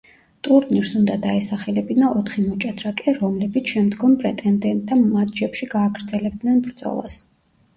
ტურნირს უნდა დაესახელებინა ოთხი მოჭადრაკე, რომლებიც შემდგომ პრეტენდენტთა მატჩებში გააგრძელებდნენ ბრძოლას.